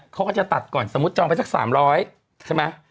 เขาก็จะตัดก่อนสมมุติจองไปสัก๓๐๐ใช่ไหม